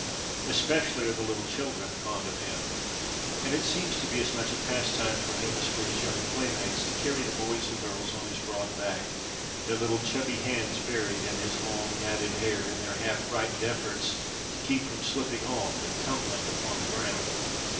Especially are the little children fond of him; and it seems to be as much a pastime for him as for his young playmates to carry the boys and girls on his broad back, their little, chubby hands buried in his long, matted hair in their half frightened efforts to keep from slipping off and tumbling upon the ground.